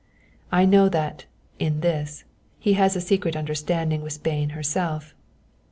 I know that, in this, he has a secret understanding with Spain herself.